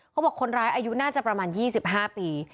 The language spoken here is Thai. เขาบอกคนร้ายอายุน่าจะประมาณ๒๕ปี